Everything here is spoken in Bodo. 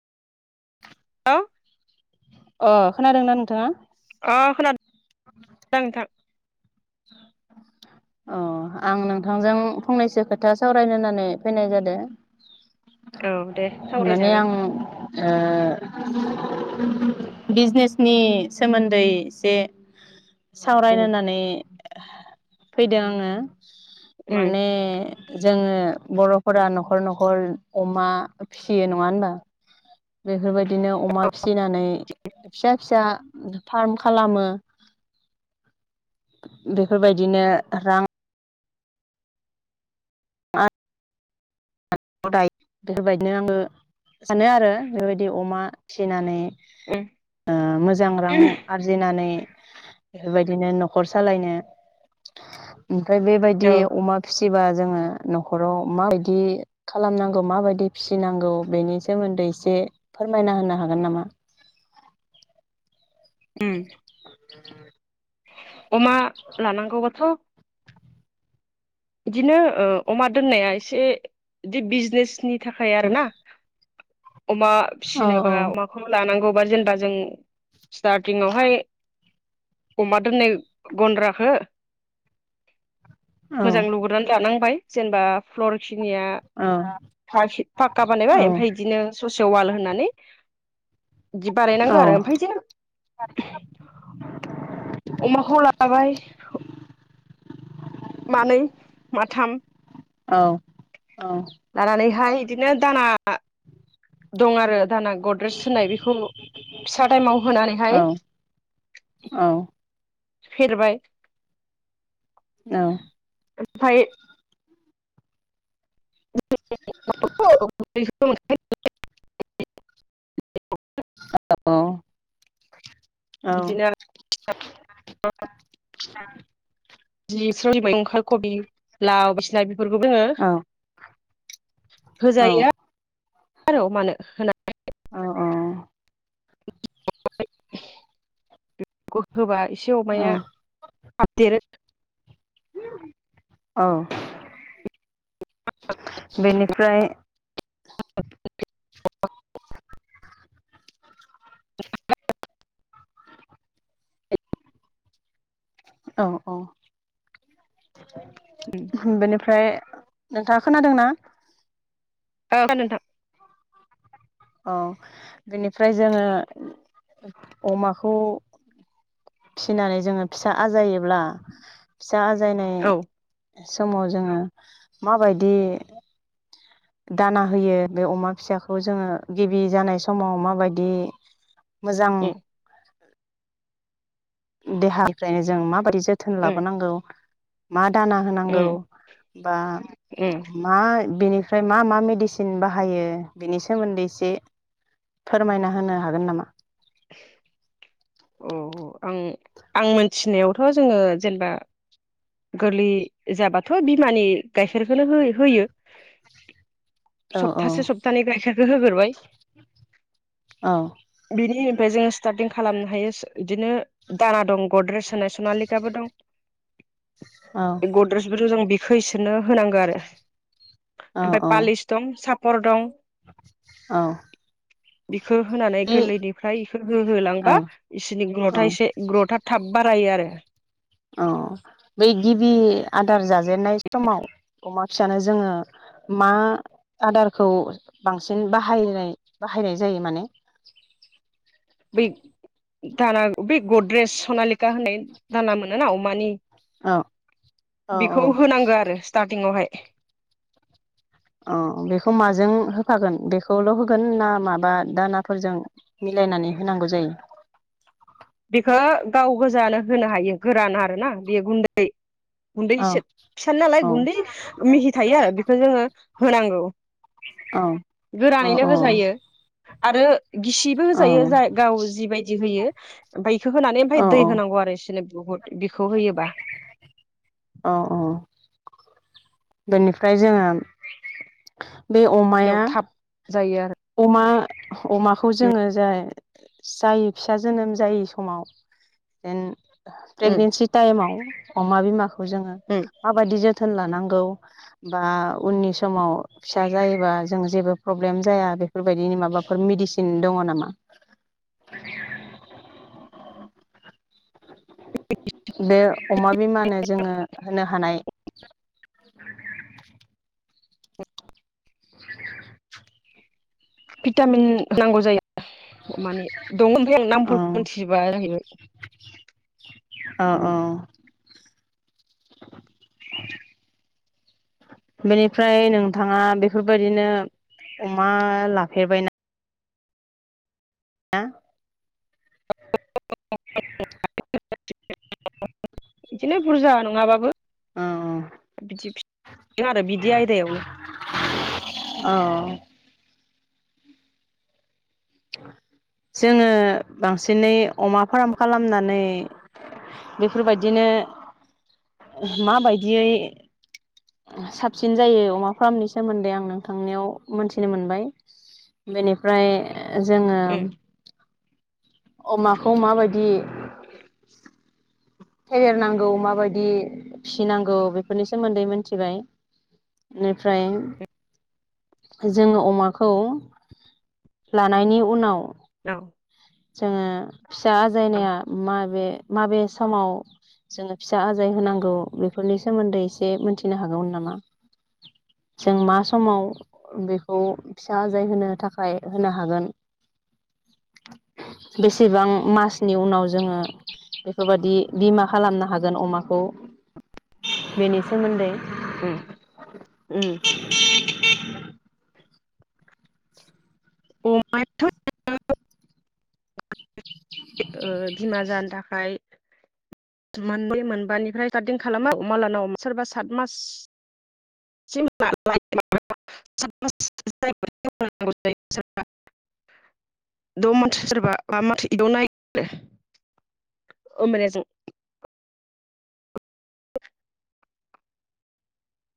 [unintelligible] अ खोनादों ना नोंथाङा? अ खोनादों नोंथां अ आं नोंथांजों फंनैसो खोथा सावरायनो होननानै फैनाय जादो औ दे माने सावरायजागोन आं ओ बिजनेसनि सोमोन्दै एसे उम सावरायनो होननानै फैदों आंङो उम माने जोंङो बर'फोरा न'खर न'खर अमा फिसियो नङा होनबा? बेफोरबायदि बिदिनो अमा फिसिनानै फिसा फिसा फार्म खालामो बेफोरबायदिनो रां आ दायो बेफोरबायदिनो आंङो सानो आरो बेबायदि अमा फिसिनानै उम ओ मोजां रां आरजिनानै बेफोरबायदिनो न'खर सालायनो ओमफ्राय बेबायदि औ अमा फिसा फिबा जोंङो न'खराव माबायदि बिदि खालामनांगौ माबायदि फिसिनांगौ बेनि सोमोन्दै एसे फोरमायना होनो हागोन नामा? ओम [unintelligible] अमा लानांगौआथ' बिदिनो ओ अमा दोननाया एसे बिदि बिजनेसनि थाखाय आरोना। अमा फिनोबा औ अमाखौ लानांगौ बा जेनेबा जों स्टार्टिंआवहाय अमा दोननाय गन्द्राखो मोजां लुगुरनानै थानां बाय जेनेबा फ्लर्स खिनिया फाका बानायबाय ओमफ्राय इदिनो ससे वाल होननानै बिदि बानायनांगौ आरो ओमफ्राय जो अमाखौ लाबाय मानै माथाम लानानैहाय इदिनो दाना दं आरो दाना गद्रेस होननाय बेखौ फिसा टाइमाव होनानैहाय फेरबाय औ। ओमफाय [unintelligible] औ। औ। बिदिनो [unintelligible] खबि लाव बिसिना फोरबो दोङो। होजाया [unintelligible] अ। [unintelligible] खायसे अमाया थाब देरो औ। औ औ। बेनिफ्राय नोंथाङा खोनादोंना? ओ खोनादो नोंथां। औ बेनिफ्राय जोङो अमाखौ फिनानै जोङो फिसा आजायोब्ला फिसा आजायनाय औ समाव जोङो माबायदि दाना होयो बे अमा फिसाखौ जोङो गिबि जानाय समाव माबायदि मोजां उम देहानिफ्रायनो जों माबादिस जोथोन उम लाबोनांगौ माद दाना होनांगौ उम बा उम मा बेनि ओमफ्राय मा मा मेडिसिन बाहायो बिनि सोमोन्दै एसे फोरमायना होनो हागोन नामा? अ आं आं मोनथिनायावथ' जोङो जेनेबा गोरलै जाबाथ' बिमानि गायखेरखोनो है होयो। औ औ सप्तासे सप्तानै गाइखेर बे होग्रोबाय। औ [inaudible] बेनिम ओमफ्राय जोङो स्टार्टिं खालामनो हायोस बिदिनो दाना दं। गद्रेस होनाय सुना लेकाबो दं। गद्रेसखोथ' जों बिख खै इसोरनो होनांगो आरो औ औ ओमपाय पालिस दं साफ हर दं। औ इखो होनानै बे गोरलैनिफ्राय इखो हो हो औ होलांबा इसोरनि औ ग्रथा एसे ग्रथा थाब बारायो आरो अ बै गिबि आदार जाजेनन्नाय समाव अमा फिसानो जोङो मा आदारखौ बांसिन बाहायनाय बाहायनाय जायो माने बै दाना बै गद्रेज सनालिका होननाय दाना मोनो ना अमानि औ औ औ बेखौ होनांगौ आरो स्टार्ट जिङावहाय अ बेखौ माजों होफागोन बेखौल' होगोन ना माबा दानाफोरजों मिलायनानै होनांगौ जायो? बेखो गाव गोजानो होनो हायो गोरान आरो ना बेयो गुन्दै औ गुन्दैसो फिसा नालाय औ गुन्दै मिहि थायो आरो बेखौ जोङो होनांगौ औ औ गोरानैनो होजायो। आरो गिसिबो औ होजायो जाय गाव जिबायदि होयो बेखो होनानै ओमफाय औ दै होनांगौ आरो इस सोरनो बहुद बिखौ होयोबा औ औ बेनिफ्राय जोङोम बे अमाया थाब जायो आरो अमा अमाखौ जोङो जाय जायो फिसा जोनोम जायै समाव जेन ओ उम प्रेगनेन्सि टाइमाव अमा बिमा खौ जोङो उम माबायदि जोथ थोन लानांगौ बा उननि समाव फिसा जायोबा जोङो जेबो प्रब्लेम जाया बेफोरबायदिनि माबाफोर मेडिसिन दङ नामा बे अमा बिमानो जोङो होनो हानाय [inaudible] [inaudible] भिटामिन नांगौ जायो माने दं ओमफ्राय आं औ नामफोरखौ मिथिजोबा जाहैबाय औ उम औ बेनिफ्राय नोंथाङा बेफोरबायदिनो अमा लाफेरबायना आ बिदिनो बुरजा नङाबाबो औ बिदि फि जों आरो बिदि आयदायावनो औ जोङो बांसिनै अमा फार्म खालामनानै बेफोरबायदिनो माबायदियै साबसिन जायो अमा फार्मनि सोमोन्दै आं नोंथांनियाव मोनथिनो मोनबाय बेनिफ्राय जोङो उम अमाखौ माबायदि फेदेरनांगौ माबायदि फिनांगौ बेफोरनि सोमोन्दै मोन थिबाय बेनिफ्राय जोङो अमाखौ लानायनि उनाव औ जोङो फिसा औ आजायनाया माबे माबे समाव जोङो फिसा आजाय होनांगौ बेफोरनि सोमोन्दै एसे मोनथि फिनो हागौमोन नामा जों मा समाव बेखौ फिसा आजाय होनो थाखाय होनो हागोन बेसेबां मासनि उनाव जोङो बेफोरबादि बिमा खालामनो हागोन अमाखौ बेनि सोमोन्दै ओ उम अ मा थ' बिमा जानो थाखाय मोनबै मोनबानिफ्राय [unintelligible] खालामो मालानाव सोरबा सात मास [unintelligible] ओमबानिया जों